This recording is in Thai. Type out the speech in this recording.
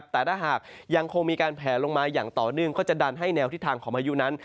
แต่ถ้าหากยังคงมีการแผลลงมาอย่างต่อเนื่องก็จะดันให้แนวทิศทางของพายุนั้น